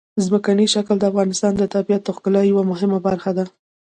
ځمکنی شکل د افغانستان د طبیعت د ښکلا یوه مهمه برخه ده.